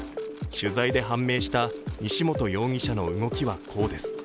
取材で判明した西本容疑者の動きはこうです。